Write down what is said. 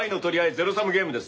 ゼロサムゲームです。